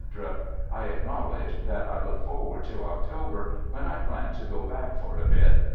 — I acknowledge that I look forward to October when I plan to go back for a bit.